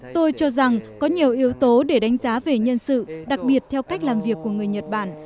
tôi cho rằng có nhiều yếu tố để đánh giá về nhân sự đặc biệt theo cách làm việc của người nhật bản